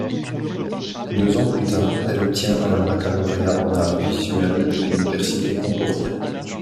Deux ans plus tard, elle obtient un baccalauréat en arts visuels de l'Université Concordia.